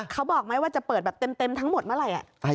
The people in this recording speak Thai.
เขาบอกไหมว่าจะเปิดแบบเต็มทั้งหมดเมื่อไหร่